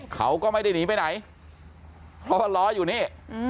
เขาก็ไม่ได้หนีไปไหนเพราะล้ออยู่นี่